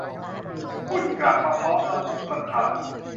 ฝุ่นกลับมาพร้อมน้ำมูก รำคาญ